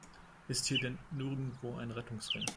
Ist hier denn nirgendwo ein Rettungsring?